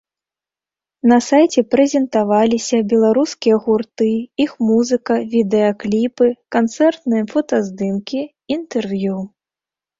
На сайце прэзентаваліся беларускія гурты, іх музыка, відэакліпы, канцэртныя фотаздымкі, інтэрв'ю.